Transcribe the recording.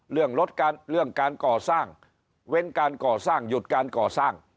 เรื่องลดการเรื่องการก่อสร้างเว้นการก่อสร้างหยุดการก่อสร้าง